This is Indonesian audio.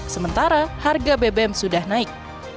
sementara harga bbm sudah naik